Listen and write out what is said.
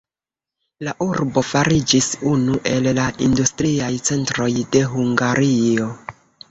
La urbo fariĝis unu el la industriaj centroj de Hungario.